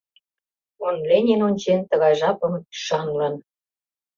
Он Ленин ончен тыгай жапым ӱшанлын